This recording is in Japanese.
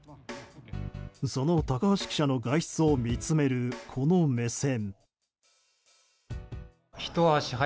その高橋記者の外出を見つめるこの目線。